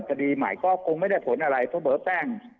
คดีใหม่ก็คงไม่ได้ผลอะไรเพราะเบอร์แป้ง